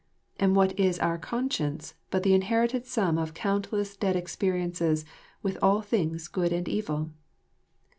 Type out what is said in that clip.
And what is our conscience but the inherited sum of countless dead experiences with all things good and evil?"